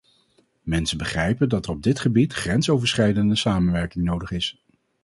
Mensen begrijpen dat er op dit gebied grensoverschrijdende samenwerking nodig is.